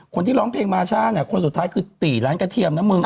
คนที่ร้องเพลงมาช่าเนี่ยคนสุดท้ายคือตีร้านกระเทียมนะมึง